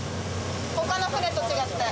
他の船と違って。